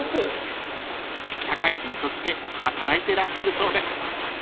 ［社会人として働いてらっしゃるそうです］